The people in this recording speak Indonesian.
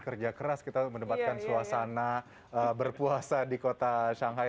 kerja keras kita mendebatkan suasana berpuasa di kota shanghai